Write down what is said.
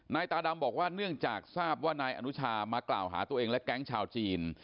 ตาดำบอกว่าเนื่องจากทราบว่านายอนุชามากล่าวหาตัวเองและแก๊งชาวจีน